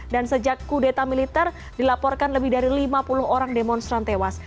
dan sejak kudeta militer dilaporkan lebih dari lima puluh orang demonstran tewas